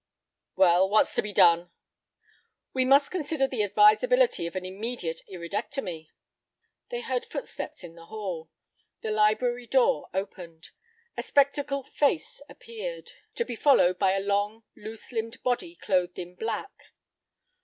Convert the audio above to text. "Well, what's to be done?" "We must consider the advisability of an immediate iridectomy." They heard footsteps in the hall. The library door opened. A spectacled face appeared, to be followed by a long, loose limbed body clothed in black.